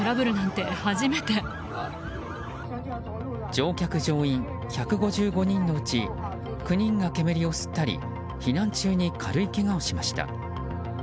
乗客・乗員１５５人のうち９人が煙を吸ったり避難中に軽いけがをしました。